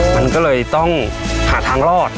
มันก็เลยต้องหาทางรอด